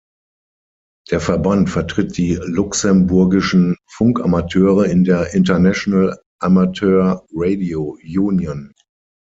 Der Verband vertritt die luxemburgischen Funkamateure in der International Amateur Radio Union.